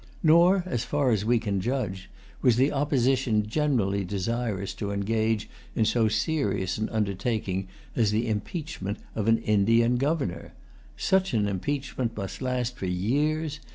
Nor, as far as we can judge, was the Opposition generally desirous to engage in so serious an undertaking as the impeachment of an Indian Governor. Such an impeachment must last for years.